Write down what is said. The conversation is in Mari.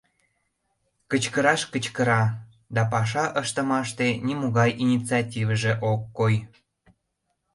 Кычкыраш кычкыра да паша ыштымаште нимогай инициативыже ок кой.